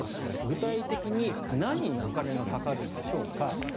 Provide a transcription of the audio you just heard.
具体的に何にお金がかかるんでしょうか。